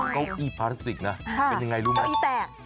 ก้านี้พลาสติกนะเป็นยังไงโบ๊ะอี้เนี่ยแปลก